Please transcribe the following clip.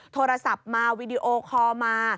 โทรศัพท์มาวีดีโอคอลมา